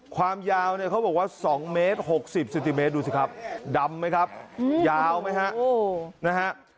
ความยาวเนี่ยเขาบอกว่า๒เมตร๖๐เซนติเมตรดูสิครับดำไหมครับยาวไหมฮะนะฮะ